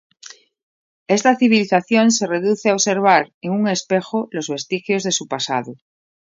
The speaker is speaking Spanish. Esta civilización "se reduce a observar en un espejo los vestigios de su pasado".